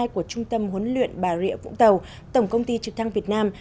của trung tâm huấn luyện bà rịa vũng tàu tổng công ty trực thăng việt nam